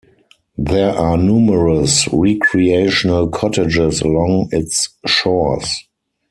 There are numerous recreational cottages along its shores.